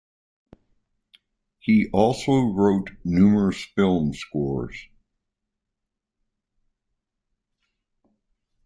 He also wrote numerous film scores.